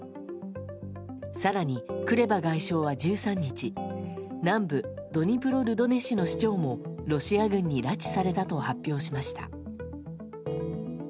更に、クレバ外相は１３日南部ドニプロルドネ市の市長もロシア軍に拉致されたと発表しました。